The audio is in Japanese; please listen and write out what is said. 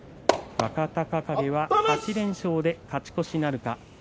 若隆景は８連勝で勝ち越しなるか。